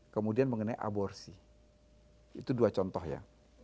kemudian mengenai aborsi itu dua contoh ya